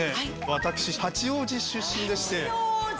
私八王子出身でして。